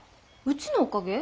うちのおかげ？